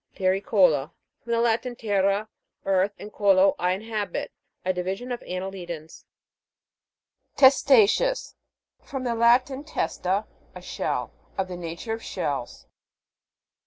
TERRICO'LA. From the Latin, terra, earth, and colo, I inhabit. A divi sion of annelidans. TESTA'CEOUS. From the Latin, testa, a shell. Of the nature of shells.